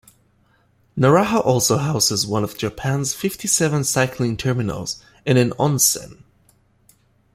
Naraha also houses one of Japan's fifty-seven cycling terminals and an onsen.